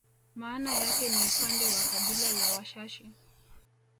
Maana yake ni upande wa kabila la Washashi